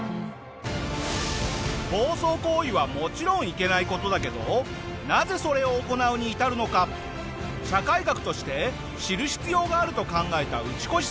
暴走行為はもちろんいけない事だけどなぜそれを行うに至るのか社会学として知る必要があると考えたウチコシさん。